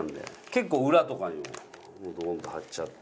結構裏とかにも本当貼っちゃってて。